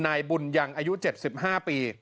นายบุญยังอายุ๗๕ปี